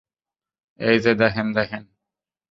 এই যে, দেখেন, দেখেন।